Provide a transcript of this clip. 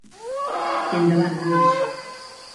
I endavant, nois!